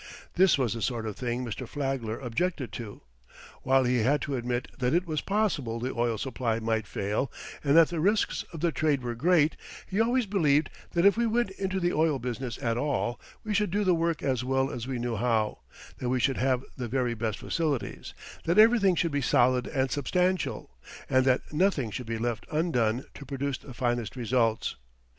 This was the sort of thing Mr. Flagler objected to. While he had to admit that it was possible the oil supply might fail and that the risks of the trade were great, he always believed that if we went into the oil business at all, we should do the work as well as we knew how; that we should have the very best facilities; that everything should be solid and substantial; and that nothing should be left undone to produce the finest results.